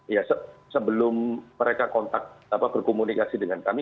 ya sebelum mereka kontak berkomunikasi dengan kami